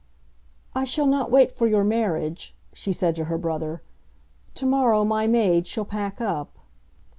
"I shall not wait for your marriage," she said to her brother. "Tomorrow my maid shall pack up."